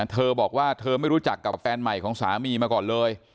เธอบอกว่าเธอไม่รู้จักกับแฟนใหม่ของสามีมาก่อนเลย